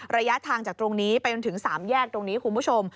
ระยะทางจากตรงนี้ไปจนถึง๓แยกตรงนี้คุณผู้ชม